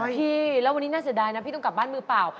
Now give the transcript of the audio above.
พี่แล้ววันนี้น่าเสียดายนะพี่ต้องกลับบ้านมือเปล่า